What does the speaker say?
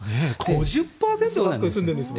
５０％があそこに住んでるんですね。